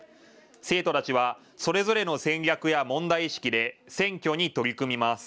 生徒たちはそれぞれの戦略や問題意識で選挙に取り組みます。